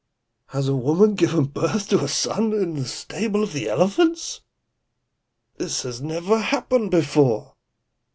has a woman given birth to a son in the stable of the elephants? This never happened before.